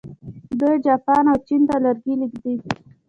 دوی جاپان او چین ته لرګي لیږي.